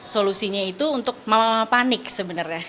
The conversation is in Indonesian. solusinya itu untuk mama mama panik sebenarnya